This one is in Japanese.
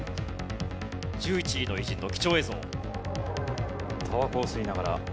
１１位の偉人の貴重映像。